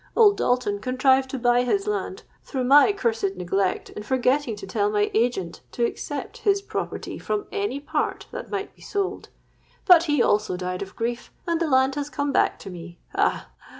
Old Dalton contrived to buy his land, through my cursed neglect in forgetting to tell my agent to except his property from any part that might be sold; but he also died of grief, and the land has come back to me. Ah!